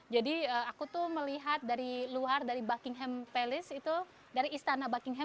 jadi aku tuh melihat dari luar dari buckingham palace itu dari istana buckingham